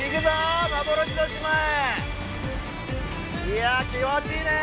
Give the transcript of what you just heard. いや気持ちいいね。